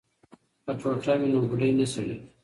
که ټوټه وي نو ګوډی نه سړیږي.